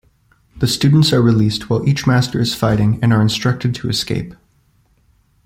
The students are released, while each master is fighting, and are instructed to escape.